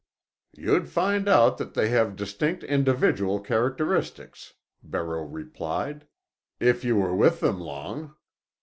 "You'd find out that they have distinct individual characteristics," Barreau replied, "if you were with them long.